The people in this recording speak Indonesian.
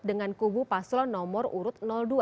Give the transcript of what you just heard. dengan kubu paslo nomor urut dua